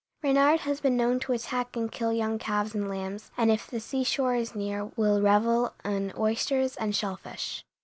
Reynard has been known to attack and kill young calves and lambs, and if the seashore is near will revel in oysters and shellfish.